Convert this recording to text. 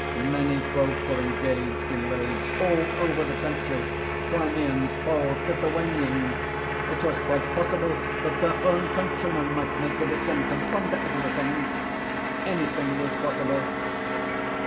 Many folk were engaged in raids all over the country Crimeans, Poles, Lithuanians! It was quite possible that their own countrymen might make a descent and plunder everything. Anything was possible.